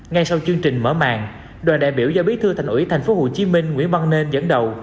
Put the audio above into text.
ngay sau chương trình mở màn đoàn đại biểu do bí thư thành ủy thành phố hồ chí minh nguyễn văn đền dẫn đầu